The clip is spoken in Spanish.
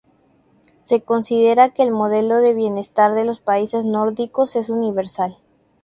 Se considera que el modelo de bienestar de los países nórdicos es universal.